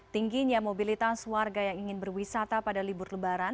tingginya mobilitas warga yang ingin berwisata pada libur lebaran